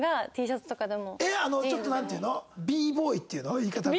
ちょっとなんていうの？